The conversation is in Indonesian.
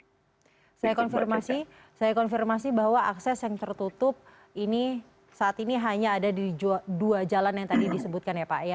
saya konfirmasi saya konfirmasi bahwa akses yang tertutup ini saat ini hanya ada di dua jalan yang tadi disebutkan ya pak ya